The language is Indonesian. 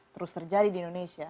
terus terjadi di indonesia